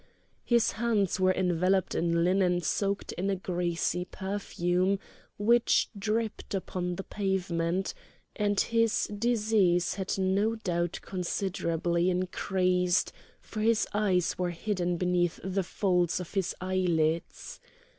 His hands were enveloped in linen soaked in a greasy perfume, which dripped upon the pavement, and his disease had no doubt considerably increased, for his eyes were hidden beneath the folds of his eyelids.